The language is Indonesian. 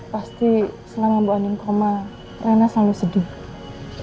pasti selama bu anding koma reyna selalu sedih